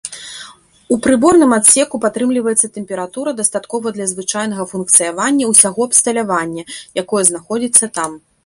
У прыборным адсеку падтрымліваецца тэмпература, дастатковая для звычайнага функцыянавання ўсяго абсталяванне, якое знаходзяцца там.